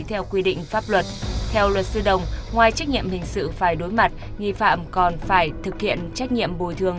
theo luật sư đồng ngoài trách nhiệm hình sự phải đối mặt nghi phạm còn phải thực hiện trách nhiệm bồi thường